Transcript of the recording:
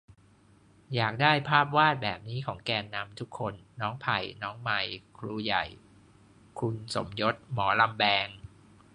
อยากได้ภาพวาดแบบนี้ของแกนนำทุกคน น้องไผ่ น้องไมร์ ครูใหญ่ คุณสมยศ หมอลำแบง